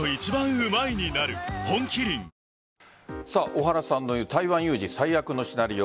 小原さんの言う台湾有事最悪のシナリオ。